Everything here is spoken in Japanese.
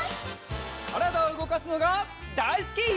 からだをうごかすのがだいすき！